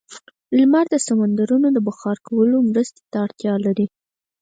لمر د سمندرونو د بخار کولو لپاره مرستې ته اړتیا لري.